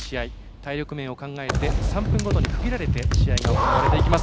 体力面を考えて３分ごとに区切られて試合が行われていきます。